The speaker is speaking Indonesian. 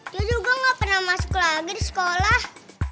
dia juga gak pernah masuk lagi di sekolah